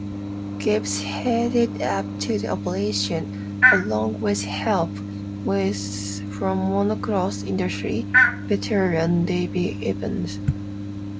Gibbs headed up the operation along with help from motocross industry veteran David Evans.